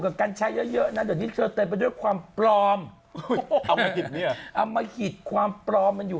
กับกันชาติเยอะดังนี้นะโดยความปลอมมาขี้ดิเนี่ยเอามาอีกความปลอมมันอยู่